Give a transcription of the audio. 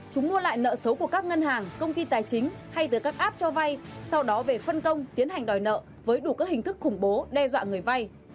chúng mua lại nợ xấu của các ngân hàng công ty tài chính hay từ các app cho vay sau đó về phân công tiến hành đòi nợ với đủ các hình thức khủng bố đe dọa người vay